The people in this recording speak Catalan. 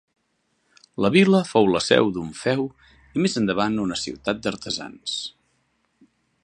La vila fou la seu d'un feu i més endavant una ciutat d'artesans.